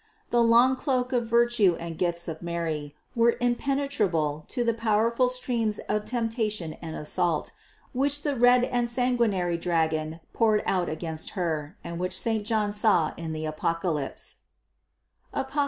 The long cloak of virtue and gifts of Mary was impenetrable to the powerful streams of temptation and assault, which the great red and san guinary dragon poured out against Her and which saint John saw in the Apocalypse (Apoc.